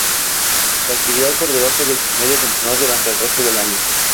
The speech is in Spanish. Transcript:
La actividad por debajo del promedio continuó durante el resto del año.